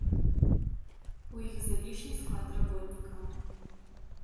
У іх залішні склад работнікаў.